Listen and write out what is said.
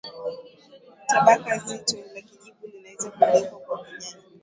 tabaka zito la kijivu linaweza kugeuka kuwa kijana